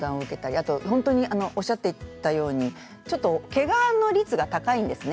あと本当におっしゃっていたようにちょっと、けがの率が高いんですね。